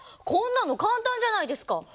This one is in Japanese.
こんなの簡単じゃないですか！？